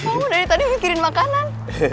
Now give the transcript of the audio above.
kamu dari tadi mikirin makanan